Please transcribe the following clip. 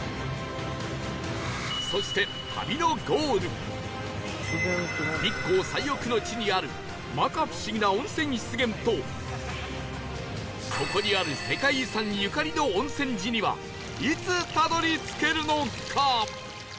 そして日光最奥の地にある摩訶不思議な温泉湿原とここにある世界遺産ゆかりの温泉寺にはいつたどり着けるのか？